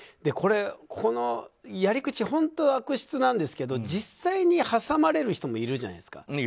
このやり口本当に悪質なんですけど実際に挟まれる人もいるじゃないですか。